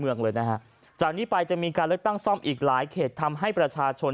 เมืองเลยนะฮะจากนี้ไปจะมีการเลือกตั้งซ่อมอีกหลายเขตทำให้ประชาชน